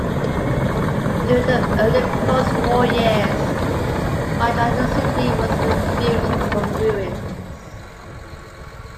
During the early post-war years much of the city was rebuilt from ruins.